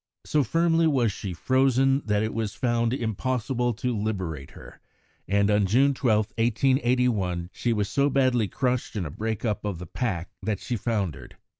So firmly was she frozen that it was found impossible to liberate her, and on June 12, 1881, she was so badly crushed in a break up of the pack that she foundered.